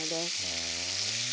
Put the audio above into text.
へえ。